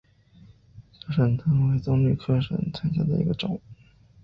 小省藤为棕榈科省藤属下的一个种。